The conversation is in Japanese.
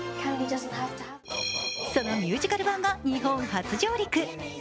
そのミュージカル版が日本初上陸。